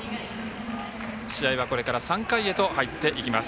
試合はこれから３回へと入っていきます。